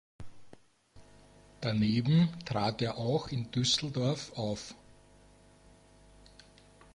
Daneben trat er auch in Düsseldorf auf.